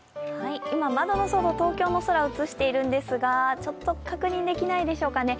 今窓の外、東京の空を映しているんですがちょっと、確認できないでしょうかね。